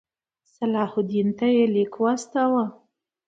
صلاح الدین ته یې لیک واستاوه.